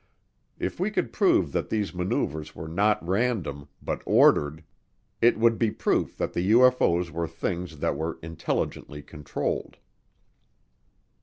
If we could prove that these maneuvers were not random, but ordered, it would be proof that the UFO's were things that were intelligently controlled.